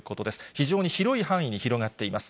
非常に広い範囲に広がっています。